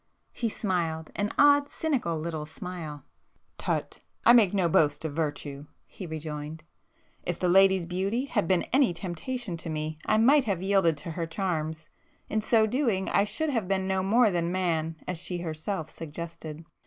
He smiled—an odd, cynical little smile. "Tut——I make no boast of virtue"—he rejoined—"If the lady's beauty had been any temptation to me I might have yielded to her charms,—in so doing I should have been no more than man, as she herself suggested.